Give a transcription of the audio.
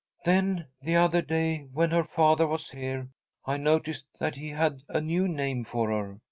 "Then the other day, when her father was here, I noticed that he had a new name for her.